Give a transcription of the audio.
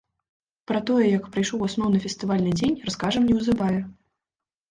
Пра тое, як прайшоў асноўны фестывальны дзень, раскажам неўзабаве.